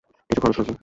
কিছু খরচ লাগবে।